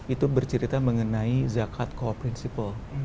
itu bercerita mengenai zakat core principle